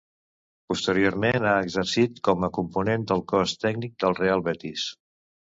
Posteriorment ha exercit com a component del cos tècnic del Real Betis.